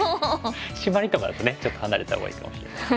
シマリとかだとねちょっと離れたほうがいいかもしれないです。